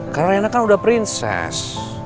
karena reyna kan udah prinses